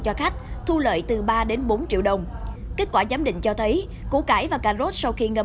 cho khách thu lợi từ ba đến bốn triệu đồng kết quả giám định cho thấy củ cải và cà rốt sau khi ngâm